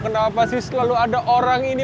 kenapa sih selalu ada orang ini